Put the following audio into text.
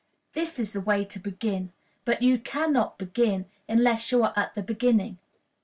This is the way to begin; but you can not begin unless you are at the beginning.